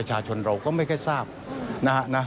ประชาชนเราก็ไม่แค่ทราบนะครับ